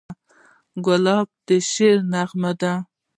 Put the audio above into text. ګلاب د شعر نغمه ده.